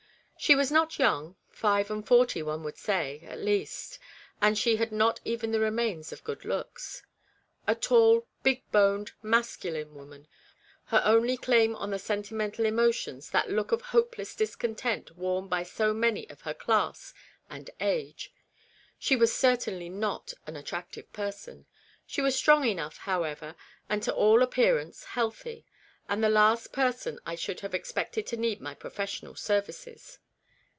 She was not young five and forty, one would say, at least, and she had not even the remains of good looks. A tall, big boned masculine woman, her only claim on the sentimental emotions that look of hopeless discontent worn by so many of her class and age, she was cer tainly not an attractive person. She was strong enough, however, and to all appearance healthy, and the last person I should have expected to need my professional services.